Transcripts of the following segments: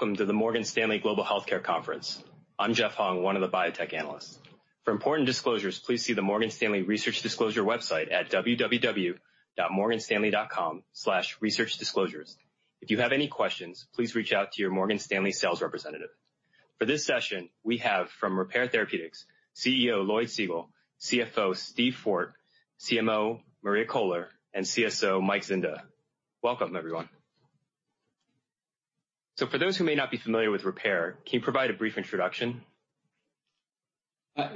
Welcome to the Morgan Stanley Global Healthcare Conference. I'm Jeff Hung, one of the Biotech Analysts. For important disclosures, please see the Morgan Stanley Research Disclosure website at www.morganstanley.com/researchdisclosures. If you have any questions, please reach out to your Morgan Stanley sales representative. For this session, we have from Repare Therapeutics, CEO Lloyd Segal, CFO Steve Forte, CMO Maria Koehler, and CSO Mike Zinda. Welcome, everyone. For those who may not be familiar with Repare, can you provide a brief introduction?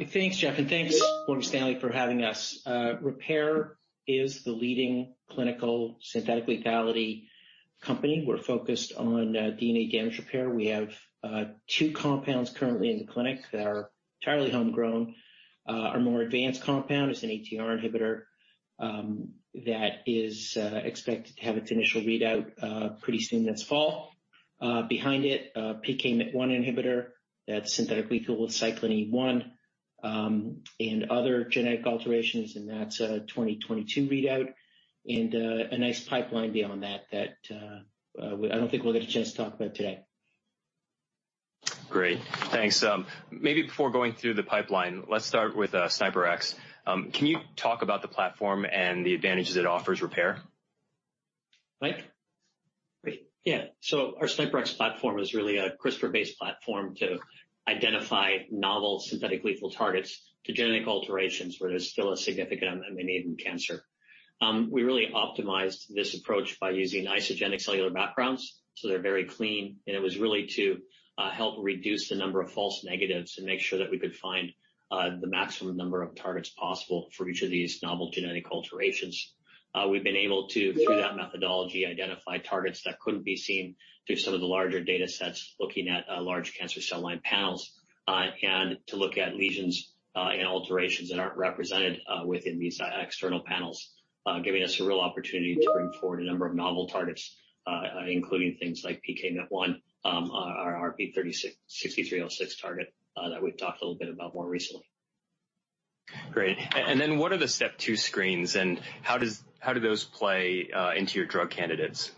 Thanks, Jeff, and thanks, Morgan Stanley for having us. Repare is the leading clinical synthetic lethality company. We're focused on DNA damage repair. We have two compounds currently in the clinic that are entirely homegrown. Our more advanced compound is an ATR inhibitor that is expected to have its initial readout pretty soon this fall. Behind it, a PKMYT1 inhibitor that's synthetic lethal with Cyclin E1 and other genetic alterations, and that's a 2022 readout, and a nice pipeline beyond that I don't think we'll get a chance to talk about today. Great. Thanks. Maybe before going through the pipeline, let's start with SNIPRx. Can you talk about the platform and the advantages it offers Repare? Mike? Great. Yeah. Our SNIPRx platform is really a CRISPR-based platform to identify novel synthetic lethal targets to genetic alterations where there's still a significant unmet need in cancer. We really optimized this approach by using isogenic cellular backgrounds, so they're very clean, and it was really to help reduce the number of false negatives and make sure that we could find the maximum number of targets possible for each of these novel genetic alterations. We've been able to, through that methodology, identify targets that couldn't be seen through some of the larger datasets, looking at large cancer cell line panels, and to look at lesions and alterations that aren't represented within these external panels, giving us a real opportunity to bring forward a number of novel targets, including things like PKMYT1, our RP-6306 target that we've talked a little bit about more recently. Great. Then what are the step two screens, and how do those play into your drug candidates?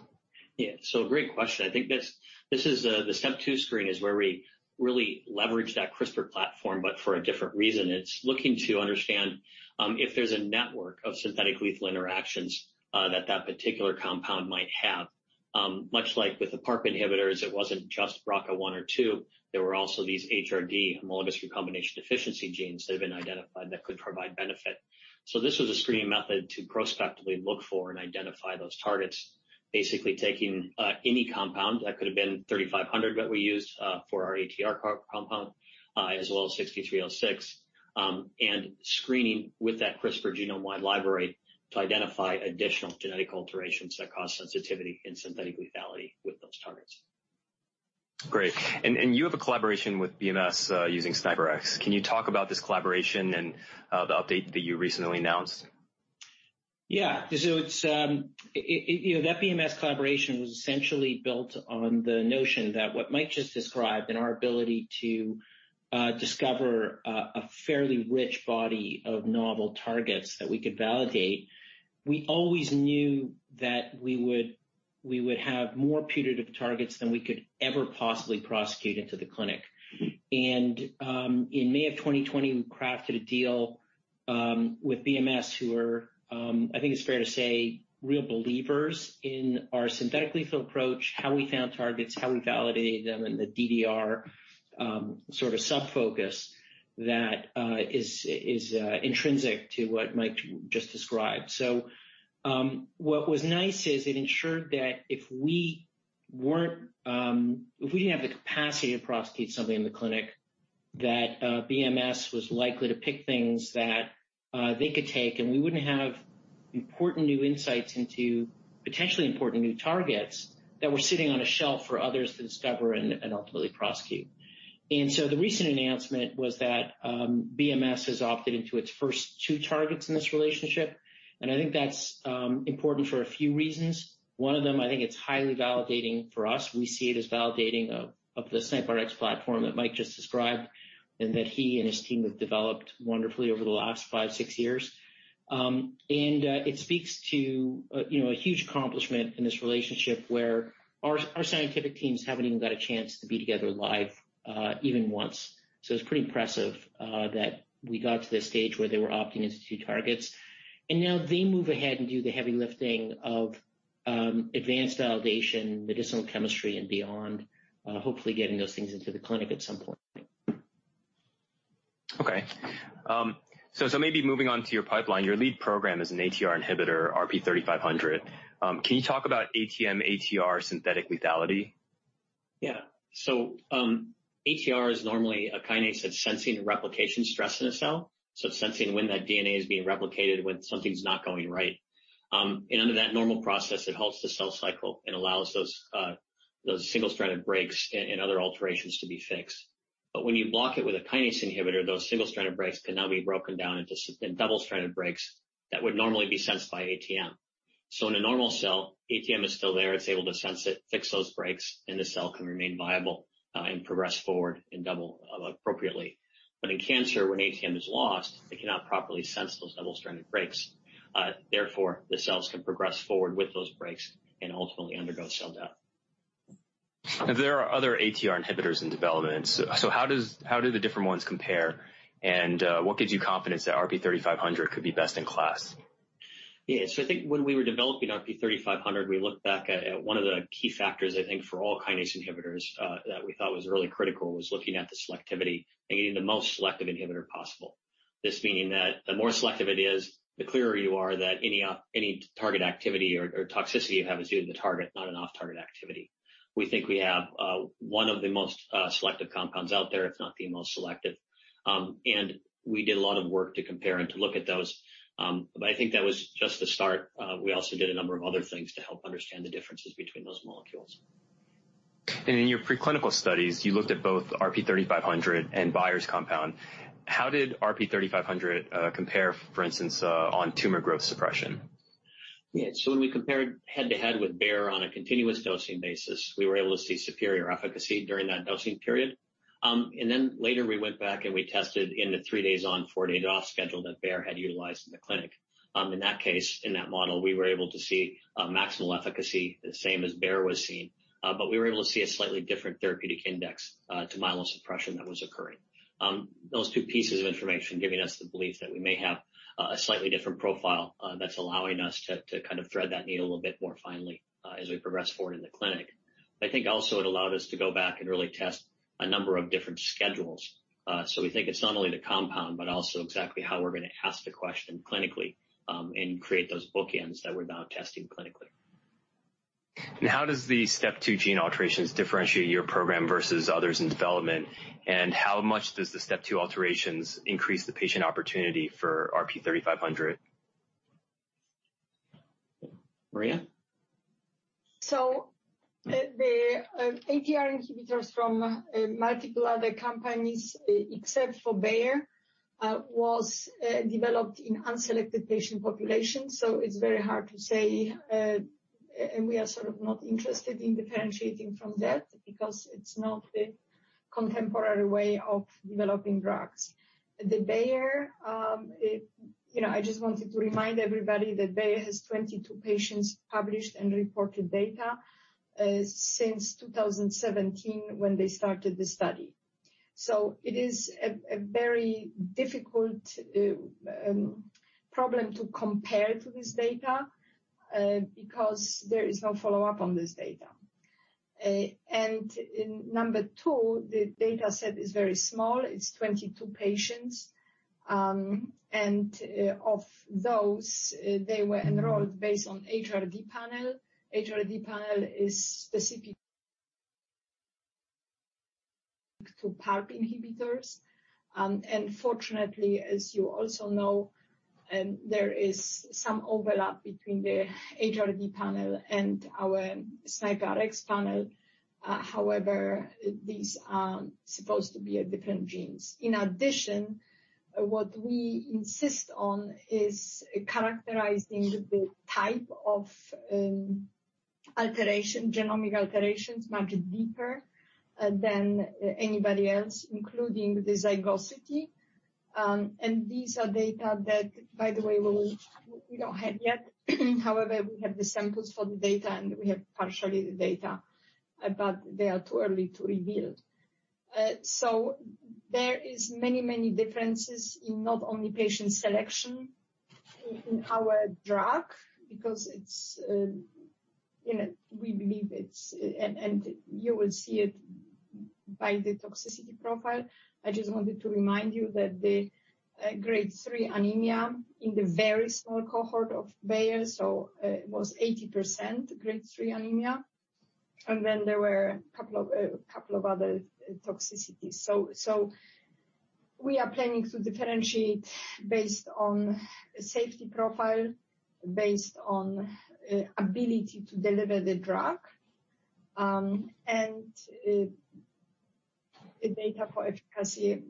Yeah. Great question. I think the step two screen is where we really leverage that CRISPR platform, but for a different reason. It's looking to understand if there's a network of synthetic lethal interactions that that particular compound might have. Much like with the PARP inhibitors, it wasn't just BRCA1/2. There were also these HRD, homologous recombination deficiency genes that have been identified that could provide benefit. This was a screening method to prospectively look for and identify those targets, basically taking any compound, that could've been RP-3500 that we used for our ATR compound, as well as RP-6306, and screening with that CRISPR genome-wide library to identify additional genetic alterations that cause sensitivity and synthetic lethality with those targets. Great. You have a collaboration with BMS using SNIPRx. Can you talk about this collaboration and the update that you recently announced? Yeah. That BMS collaboration was essentially built on the notion that what Mike just described and our ability to discover a fairly rich body of novel targets that we could validate, we always knew that we would have more putative targets than we could ever possibly prosecute into the clinic. In May of 2020, we crafted a deal with BMS, who are, I think it's fair to say, real believers in our synthetic lethal approach, how we found targets, how we validated them, and the DDR sort of sub-focus that is intrinsic to what Mike just described. What was nice is it ensured that if we didn't have the capacity to prosecute something in the clinic, that BMS was likely to pick things that they could take, and we wouldn't have important new insights into potentially important new targets that were sitting on a shelf for others to discover and ultimately prosecute. The recent announcement was that BMS has opted into its first two targets in this relationship, and I think that's important for a few reasons. One of them, I think it's highly validating for us. We see it as validating of the SNIPRx platform that Mike just described and that he and his team have developed wonderfully over the last five, six years. It speaks to a huge accomplishment in this relationship where our scientific teams haven't even got a chance to be together live even once. It's pretty impressive that we got to the stage where they were opting in to two targets. Now they move ahead and do the heavy lifting of advanced validation, medicinal chemistry, and beyond, hopefully getting those things into the clinic at some point. Okay. Maybe moving on to your pipeline, your lead program is an ATR inhibitor, RP-3500. Can you talk about ATM ATR synthetic lethality? ATR is normally a kinase that's sensing replication stress in a cell, sensing when that DNA is being replicated when something's not going right. Under that normal process, it halts the cell cycle and allows those single-stranded breaks and other alterations to be fixed. When you block it with a kinase inhibitor, those single-stranded breaks can now be broken down into double-stranded breaks that would normally be sensed by ATM. In a normal cell, ATM is still there, it's able to sense it, fix those breaks, and the cell can remain viable and progress forward and double appropriately. In cancer, when ATM is lost, it cannot properly sense those double-stranded breaks. Therefore, the cells can progress forward with those breaks and ultimately undergo cell death. There are other ATR inhibitors in development. How do the different ones compare, and what gives you confidence that RP-3500 could be best in class? I think when we were developing RP-3500, we looked back at one of the key factors I think for all kinase inhibitors, that we thought was really critical was looking at the selectivity and getting the most selective inhibitor possible. This meaning that the more selective it is, the clearer you are that any target activity or toxicity you have is due to the target, not an off-target activity. We think we have one of the most selective compounds out there, if not the most selective. We did a lot of work to compare and to look at those. I think that was just the start. We also did a number of other things to help understand the differences between those molecules. In your preclinical studies, you looked at both RP-3500 and Bayer's compound. How did RP-3500 compare, for instance, on tumor growth suppression? Yeah. When we compared head-to-head with Bayer on a continuous dosing basis, we were able to see superior efficacy during that dosing period. Later we went back, and we tested in the three days on, four days off schedule that Bayer had utilized in the clinic. In that case, in that model, we were able to see maximal efficacy, the same as Bayer was seeing. We were able to see a slightly different therapeutic index to myelosuppression that was occurring. Those two pieces of information giving us the belief that we may have a slightly different profile that's allowing us to kind of thread that needle a little bit more finely as we progress forward in the clinic. I think also it allowed us to go back and really test a number of different schedules. We think it's not only the compound, but also exactly how we're going to ask the question clinically, and create those bookends that we're now testing clinically. How does the step two gene alterations differentiate your program versus others in development? How much does the step two alterations increase the patient opportunity for RP-3500? Maria? The ATR inhibitors from multiple other companies, except for Bayer, was developed in unselected patient populations, so it is very hard to say. We are sort of not interested in differentiating from that because it is not the contemporary way of developing drugs. I just wanted to remind everybody that Bayer has 22 patients published and reported data since 2017 when they started the study. It is a very difficult problem to compare to this data, because there is no follow-up on this data. Number two, the data set is very small. It is 22 patients. Of those, they were enrolled based on HRD panel. HRD panel is specific to PARP inhibitors. Fortunately, as you also know, there is some overlap between the HRD panel and our SNIPRx panel. However, these are supposed to be different genes. What we insist on is characterizing the type of genomic alterations much deeper than anybody else, including the zygosity. These are data that, by the way, we don't have yet. We have the samples for the data, and we have partially the data, but they are too early to reveal. There is many differences in not only patient selection in our drug because we believe and you will see it by the toxicity profile. I just wanted to remind you that the grade 3 anemia in the very small cohort of Bayer, so it was 80% grade 3 anemia, and then there were a couple of other toxicities. We are planning to differentiate based on safety profile, based on ability to deliver the drug. The data for efficacy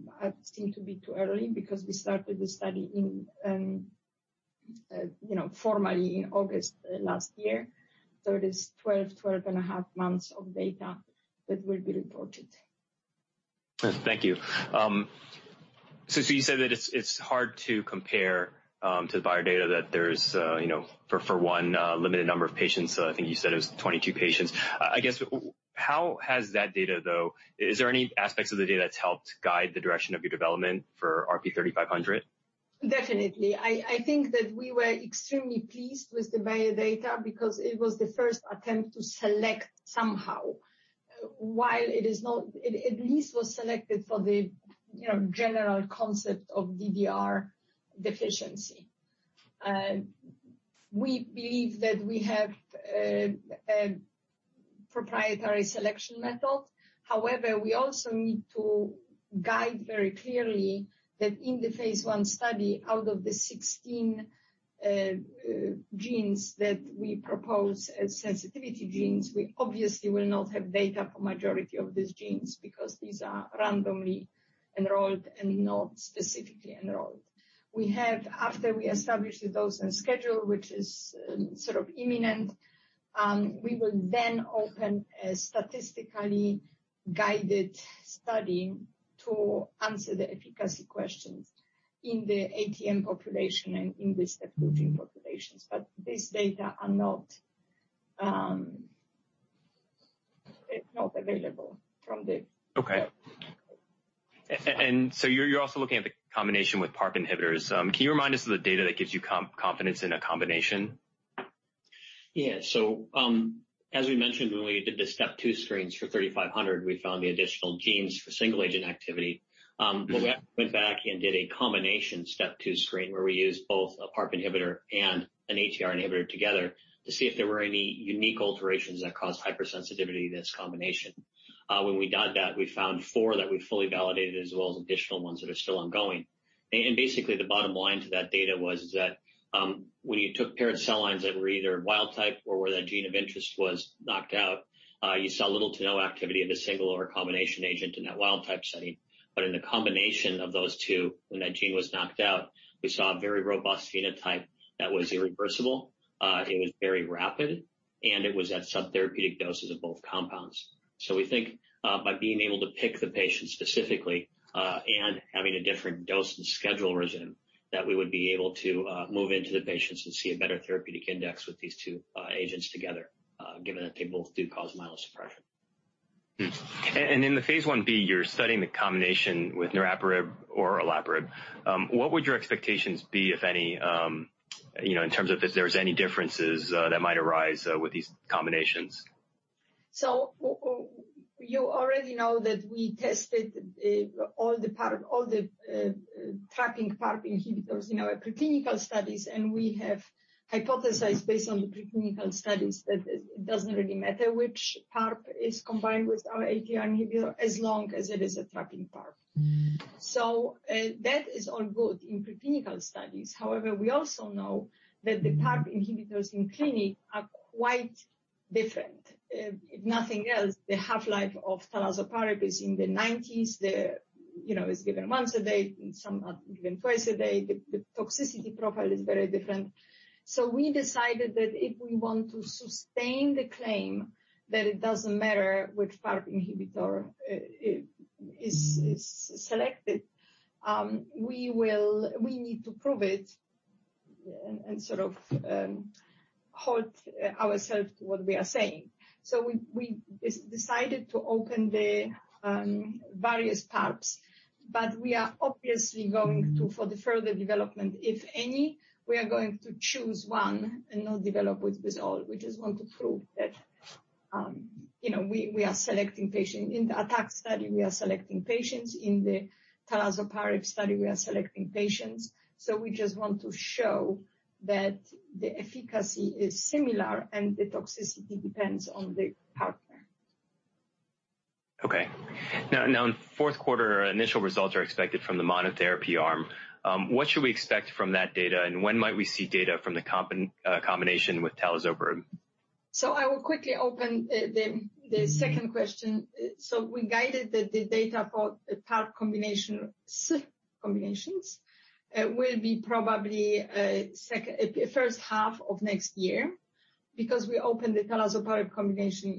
seem to be too early because we started the study formally in August last year. It is 12.5 months of data that will be reported. Thank you. You said that it's hard to compare to the Bayer data that there's, for one, a limited number of patients. I think you said it was 22 patients. I guess, is there any aspects of the data that's helped guide the direction of your development for RP-3500? Definitely. I think that we were extremely pleased with the Bayer data because it was the first attempt to select somehow. While it is not, it at least was selected for the general concept of DDR deficiency. We believe that we have a proprietary selection method. We also need to guide very clearly that in the phase I study, out of the 16 genes that we propose as sensitivity genes, we obviously will not have data for the majority of these genes because these are randomly enrolled and not specifically enrolled. We have, after we establish the dose and schedule, which is sort of imminent. We will then open a statistically guided study to answer the efficacy questions in the ATM population and in [inaudible] populations. This data are not available from the- Okay. You're also looking at the combination with PARP inhibitors. Can you remind us of the data that gives you confidence in a combination? As we mentioned, when we did the step two screens for RP-3500, we found the additional genes for single-agent activity. We went back and did a combination step two screen, where we used both a PARP inhibitor and an ATR inhibitor together to see if there were any unique alterations that caused hypersensitivity to this combination. When we did that, we found four that we fully validated, as well as additional ones that are still ongoing. Basically, the bottom line to that data was that when you took paired cell lines that were either wild type or where that gene of interest was knocked out, you saw little to no activity of the single or combination agent in that wild type setting. In the combination of those two, when that gene was knocked out, we saw a very robust phenotype that was irreversible. It was very rapid, and it was at subtherapeutic doses of both compounds. We think by being able to pick the patient specifically and having a different dose and schedule regimen, that we would be able to move into the patients and see a better therapeutic index with these two agents together, given that they both do cause myelosuppression. In the phase I-B, you're studying the combination with niraparib or olaparib. What would your expectations be, if any, in terms of if there's any differences that might arise with these combinations? You already know that we tested all the trapping PARP inhibitors in our preclinical studies, and we have hypothesized based on the preclinical studies that it doesn't really matter which PARP is combined with our ATR inhibitor, as long as it is a trapping PARP. That is all good in preclinical studies. However, we also know that the PARP inhibitors in clinic are quite different. If nothing else, the half-life of talazoparib is in the 90s. It is given once a day, and some are given twice a day. The toxicity profile is very different. We decided that if we want to sustain the claim that it does not matter which PARP inhibitor is selected, we need to prove it and sort of hold ourselves to what we are saying. We decided to open the various PARPs, but we are obviously going to, for the further development, if any, we are going to choose one and not develop with all. We just want to prove that we are selecting patients. In the ATTACC study, we are selecting patients. In the talazoparib study, we are selecting patients. We just want to show that the efficacy is similar and the toxicity depends on the PARP. Okay. In the fourth quarter, initial results are expected from the monotherapy arm. What should we expect from that data, and when might we see data from the combination with talazoparib? I will quickly open the second question. We guided the data for PARP combinations. It will be probably first half of next year because we opened the talazoparib combination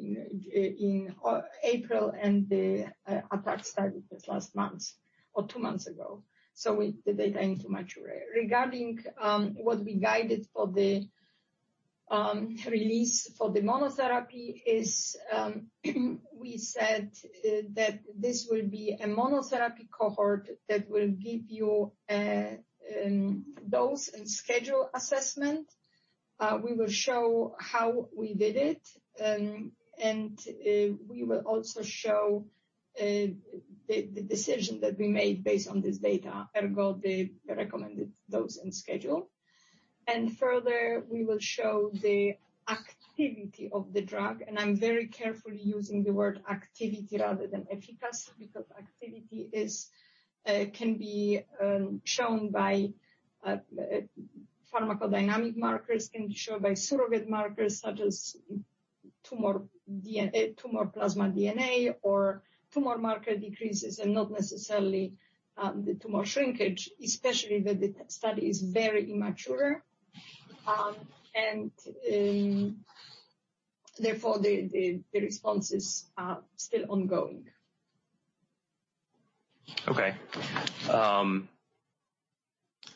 in April and the ATTACC study just last month or two months ago. The data are immature. Regarding what we guided for the release for the monotherapy is we said that this will be a monotherapy cohort that will give you a dose and schedule assessment. We will show how we did it, and we will also show the decision that we made based on this data, ergo the recommended dose and schedule. Further, we will show the activity of the drug, and I'm very carefully using the word activity rather than efficacy because activity can be shown by pharmacodynamic markers, can be shown by surrogate markers such as circulating tumor DNA or tumor marker decreases and not necessarily the tumor shrinkage, especially that the study is very immature. Therefore, the responses are still ongoing. Okay.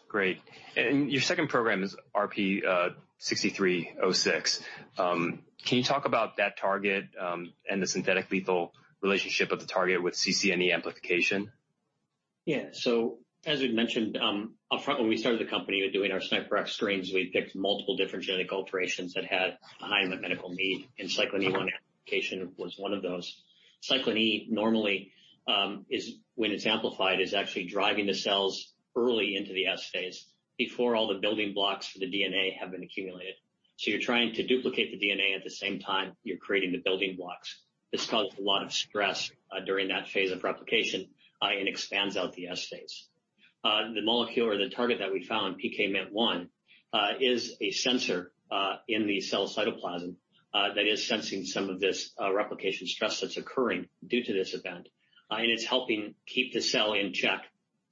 Great. Your second program is RP-6306. Can you talk about that target and the synthetic lethal relationship of the target with CCNE amplification? As we mentioned, up front when we started the company with doing our SNIPRx screens, we picked multiple different genetic alterations that had a high unmet medical need, and Cyclin E1 amplification was one of those. Cyclin E normally, when it's amplified, is actually driving the cells early into the S phase before all the building blocks for the DNA have been accumulated. You're trying to duplicate the DNA at the same time you're creating the building blocks. This causes a lot of stress during that phase of replication and expands out the S phase. The molecule or the target that we found, PKMYT1, is a sensor in the cell cytoplasm that is sensing some of this replication stress that's occurring due to this event, and it's helping keep the cell in check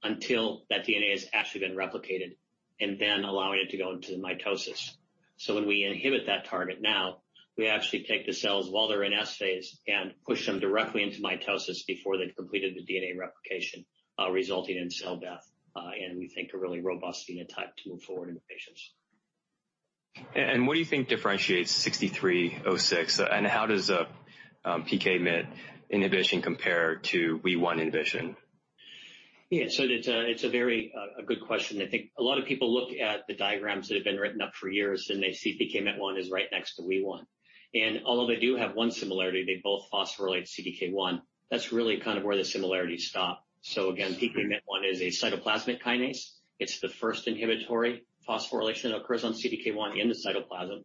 until that DNA has actually been replicated and then allowing it to go into mitosis. When we inhibit that target now, we actually take the cells while they're in S phase and push them directly into mitosis before they've completed the DNA replication, resulting in cell death, and we think a really robust phenotype to move forward into patients. What do you think differentiates RP-6306, and how does PKM inhibition compare to WEE1 inhibition? It's a very good question. I think a lot of people look at the diagrams that have been written up for years, they see PKMYT1 is right next to WEE1. Although they do have one similarity, they both phosphorylate CDK1. That's really kind of where the similarities stop. Again, PKMYT1 is a cytoplasmic kinase. It's the first inhibitory phosphorylation that occurs on CDK1 in the cytoplasm,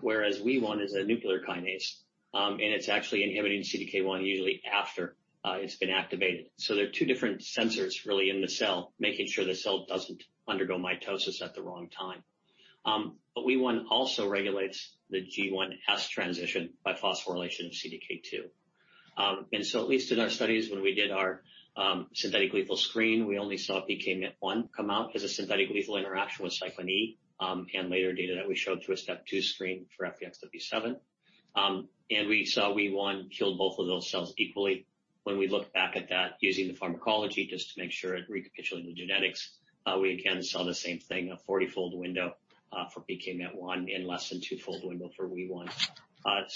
whereas WEE1 is a nuclear kinase, and it's actually inhibiting CDK1 usually after it's been activated. They're two different sensors really in the cell, making sure the cell doesn't undergo mitosis at the wrong time. WEE1 also regulates the G1/S transition by phosphorylation of CDK2. At least in our studies when we did our synthetic lethal screen, we only saw PKMYT1 come out as a synthetic lethal interaction with Cyclin E, later data that we showed through a step two screen for FBXW7. We saw WEE1 kill both of those cells equally. When we looked back at that using the pharmacology just to make sure it recapitulated the genetics, we again saw the same thing, a 40-fold window for PKMYT1 and less than two-fold window for WEE1.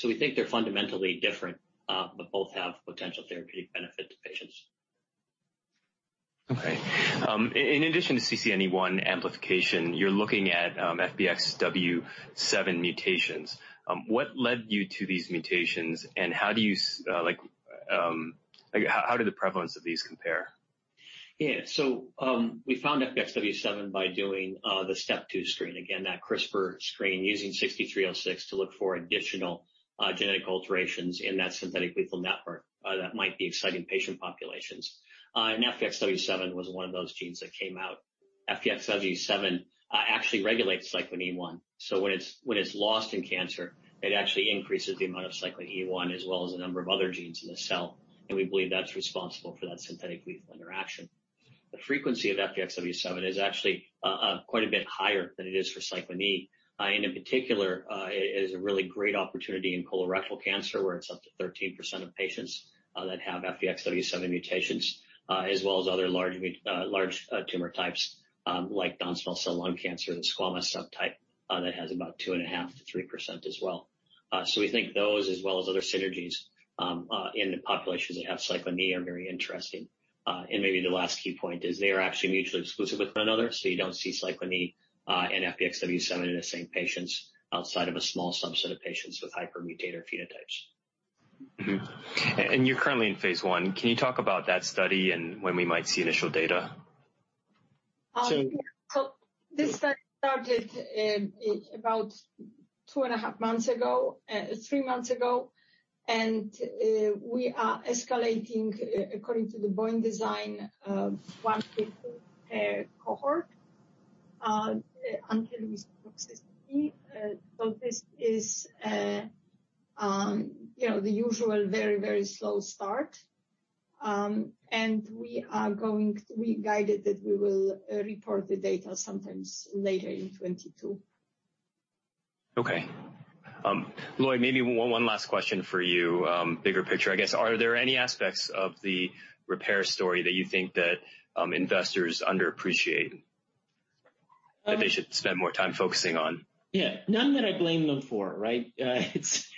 We think they're fundamentally different, but both have potential therapeutic benefit to patients. Okay. In addition to CCNE1 amplification, you're looking at FBXW7 mutations. What led you to these mutations, and how do the prevalence of these compare? Yeah. We found FBXW7 by doing the step two screen. Again, that CRISPR screen using RP-6306 to look for additional genetic alterations in that synthetic lethality network that might be exciting patient populations. FBXW7 was one of those genes that came out. FBXW7 actually regulates Cyclin E1. When it's lost in cancer, it actually increases the amount of Cyclin E1 as well as a number of other genes in the cell, and we believe that's responsible for that synthetic lethality interaction. The frequency of FBXW7 is actually quite a bit higher than it is for Cyclin E1. In particular, it is a really great opportunity in colorectal cancer, where it's up to 13% of patients that have FBXW7 mutations, as well as other large tumor types, like non-small cell lung cancer, the squamous subtype that has about 2.5%-3% as well. We think those, as well as other synergies in the populations that have Cyclin E are very interesting. Maybe the last key point is they are actually mutually exclusive with one another, so you don't see Cyclin E and FBXW7 in the same patients outside of a small subset of patients with hypermutator phenotypes. You're currently in phase I. Can you talk about that study and when we might see initial data? This study started about 2.5 months ago, three months ago, and we are escalating according to the Bayesian design of one patient per cohort until we reach the next phase. This is the usual very slow start. We guided that we will report the data sometimes later in 2022. Okay. Lloyd, maybe one last question for you, bigger picture, I guess. Are there any aspects of the Repare story that you think that investors underappreciate that they should spend more time focusing on? Yeah. None that I blame them for, right? It's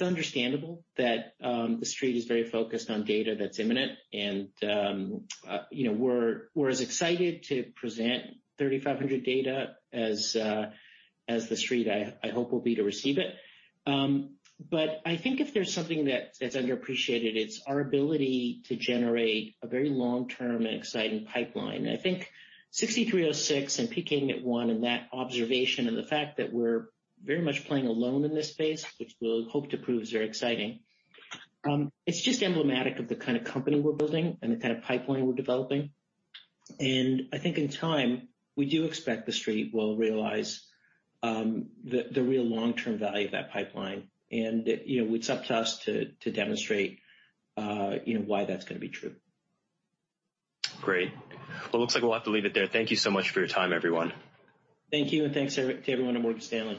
understandable that the Street is very focused on data that's imminent, and we're as excited to present RP-3500 data as the Street I hope will be to receive it. I think if there's something that's underappreciated, it's our ability to generate a very long-term and exciting pipeline. I think RP-6306 and PKMYT1 and that observation and the fact that we're very much playing alone in this space, which we'll hope to prove is very exciting. It's just emblematic of the kind of company we're building and the kind of pipeline we're developing. I think in time, we do expect the Street will realize the real long-term value of that pipeline. It's up to us to demonstrate why that's going to be true. Great. It looks like we'll have to leave it there. Thank you so much for your time, everyone. Thank you. Thanks to everyone at Morgan Stanley.